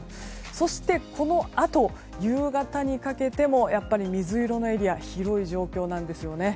そしてこのあと、夕方にかけても水色のエリアが広い予想です。